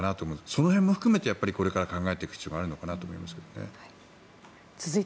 その辺も含めてこれから考えていく必要があるのかなと思いますけどね。